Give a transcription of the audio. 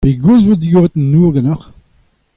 Pegoulz e vo digoret an nor ganeoc'h ?